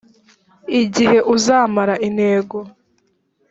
igihe uzamara intego